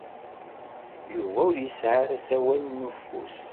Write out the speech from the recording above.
Yuba ur yesɛi ara asawal n ufus.